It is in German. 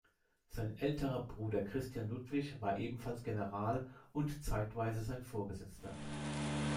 Sein älterer Bruder Christian Ludwig war ebenfalls General und zeitweise sein Vorgesetzter.